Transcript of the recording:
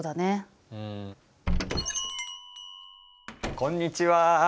こんにちは。